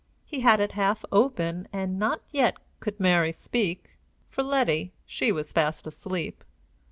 He had it half open, and not yet could Mary speak. For Letty, she was fast asleep.